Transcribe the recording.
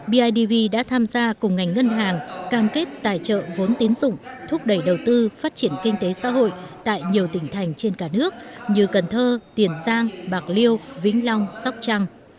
bidv đã tham gia cùng ngành ngân hàng cam kết tài trợ vốn tín dụng thúc đẩy đầu tư phát triển kinh tế xã hội tại nhiều tỉnh thành trên cả nước như cần thơ tiền giang bạc liêu vĩnh long sóc trăng